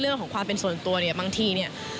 เรื่องของความเป็นส่วนตัวเนี่ยบางทีเนี่ย